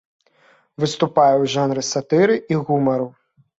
Выступае ў жанры сатыры і гумару.